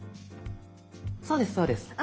そうですそうです。